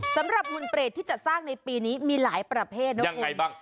สำหรับหุ่นเปรตที่จะสร้างในปีนี้มีหลายประเภทนะครับยังไงบ้าง